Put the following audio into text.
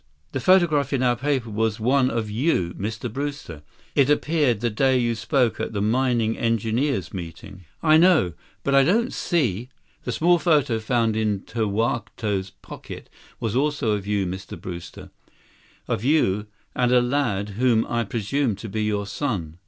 "The photograph in our paper was one of you, Mr. Brewster. It appeared the day you spoke at the mining engineers' meeting." "I know. But I don't see—" "The small photo found in Tokawto's pocket was also of you, Mr. Brewster. Of you and a lad whom I presume to be your son.